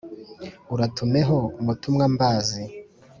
uratumeho mutumwambazi